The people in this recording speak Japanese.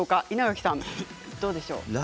稲垣さんどうでしょう。